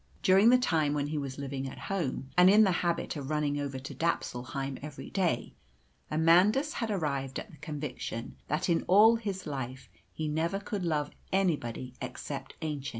During the time when he was living at home, and in the habit of running over to Dapsulheim every day, Amandus had arrived at the conviction that in all his life he never could love anybody except Aennchen.